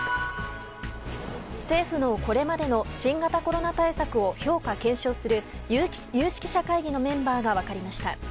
政府のこれまでの新型コロナ対策を評価検証する有識者会議のメンバーが分かりました。